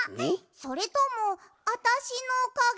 それともあたしのかげ？